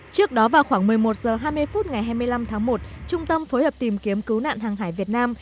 trước đó vào khoảng một mươi một h hai mươi phút ngày hai mươi năm tháng một trung tâm phối hợp tìm kiếm cứu nạn hàng hải việt nam